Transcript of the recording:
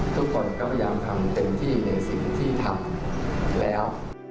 ทุกคนก็พยายามทำเต็มที่ในสิ่งที่ทำแล้ว